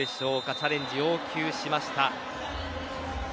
チャレンジ要求しました。